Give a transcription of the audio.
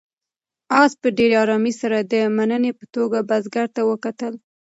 آس په ډېرې آرامۍ سره د مننې په توګه بزګر ته وکتل.